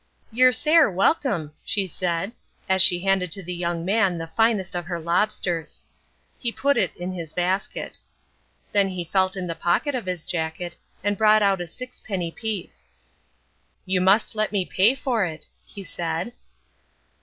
"Ye're sair welcome," she said, as she handed to the young man the finest of her lobsters. He put it in his basket. Then he felt in the pocket of his jacket and brought out a sixpenny piece. "You must let me pay for it," he said.